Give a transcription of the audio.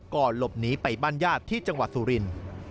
หลบหนีไปบ้านญาติที่จังหวัดสุรินทร์